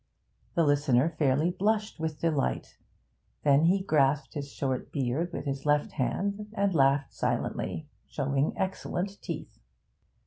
The listener fairly blushed with delight; then he grasped his short beard with his left hand and laughed silently, showing excellent teeth.